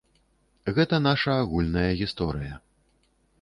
Гэта наша агульная гісторыя.